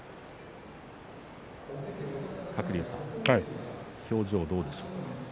鶴竜さん、表情どうでしょうか。